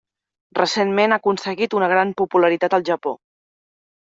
Recentment ha aconseguit una gran popularitat al Japó.